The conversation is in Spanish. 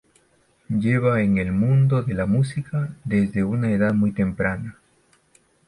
Lleva en el mundo de la música desde una edad muy temprana.